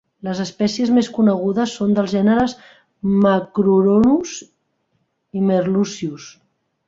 Les espècies més conegudes són dels gèneres "Macruronus" i "Merluccius".